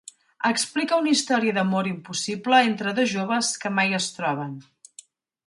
Explica una història d'amor impossible entre dos joves que mai es troben.